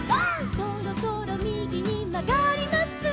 「そろそろみぎにまがります」